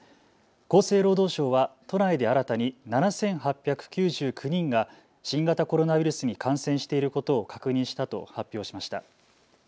厚生労働省は都内で新たに７８９９人が新型コロナウイルスに感染していることを確認したと発表しました。